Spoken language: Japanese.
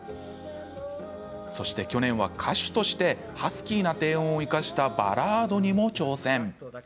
そして、昨年は歌手としてハスキーな低音を生かしたバラードにも挑戦。